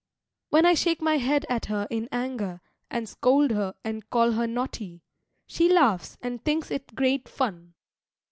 When I shake my head at her in anger and scold her and call her naughty, she laughs and thinks it great fun.